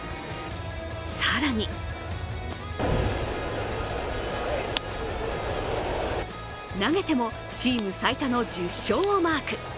更に投げても、チーム最多の１０勝をマーク。